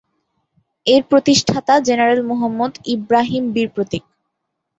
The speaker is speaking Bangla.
এর প্রতিষ্ঠাতা জেনারেল মুহাম্মদ ইব্রাহিম বীর প্রতীক।